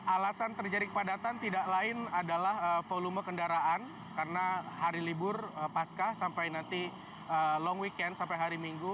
alasan terjadi kepadatan tidak lain adalah volume kendaraan karena hari libur pasca sampai nanti long weekend sampai hari minggu